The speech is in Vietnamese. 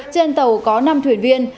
trên tàu có năm thuyền viên